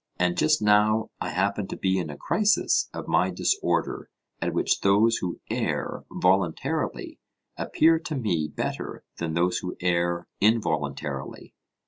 And just now I happen to be in a crisis of my disorder at which those who err voluntarily appear to me better than those who err involuntarily.